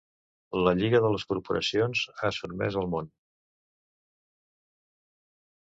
La Lliga de les corporacions ha sotmès al món.